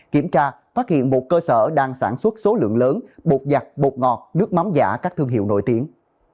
kiểm tra phát hiện một cơ sở đang sản xuất số lượng lớn bột giặt bột ngọt nước mắm giả các thương hiệu nổi tiếng